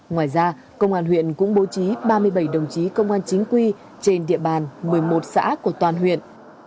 ngoài ra công an huyện cũng bố trí ba mươi bảy đồng chí công an chính quy trên địa bàn một mươi một xã của toàn huyện